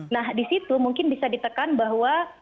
nah di situ mungkin bisa ditekan bahwa